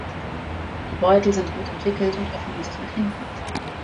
Die Beutel sind gut entwickelt und öffnen sich nach hinten.